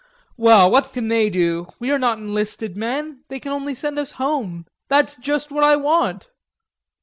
"Well, what can they do? We are not enlisted men; they can only send us home. That's just what I want."